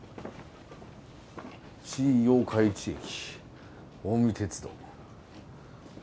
「新八日市駅近江鉄道」。